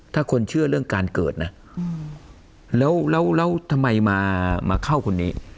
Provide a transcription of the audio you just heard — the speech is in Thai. ถ้าคนเชื่อเรื่องการเกิดนะแล้วทำไมมาเข้าคนนี้